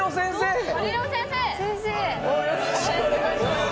よろしくお願いします。